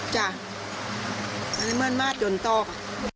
ใช่มันได้เมื่อนมากล้นต้อง